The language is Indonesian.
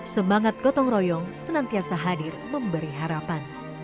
semangat gotong royong senantiasa hadir memberi harapan